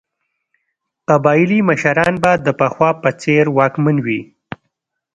قبایلي مشران به د پخوا په څېر واکمن وي.